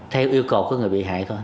theo yêu cầu của người bị hại thôi